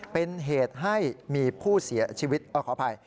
เป็นเหตุให้มีผู้เสียชีวิตขออภัย